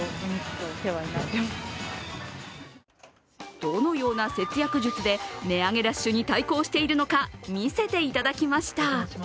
どのような節約術で値上げラッシュに対抗しているのか、見せていただきました。